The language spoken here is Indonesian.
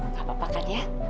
nggak apa apakan ya